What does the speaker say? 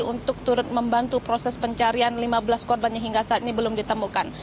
untuk turut membantu proses pencarian lima belas korban yang hingga saat ini belum ditemukan